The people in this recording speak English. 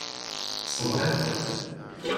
So I thought.